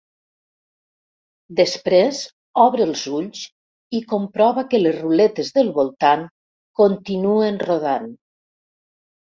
Després obre els ulls i comprova que les ruletes del voltant continuen rodant.